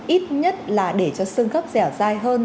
ít nhất là để cho xương khớp dẻo dài hơn